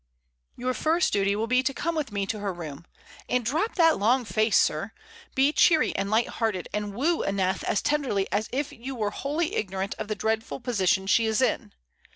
"Your first duty will be to come with me to her room. And drop that long face, sir! Be cheery and lighthearted, and woo Aneth as tenderly as if you were wholly ignorant of the dreadful position she is in.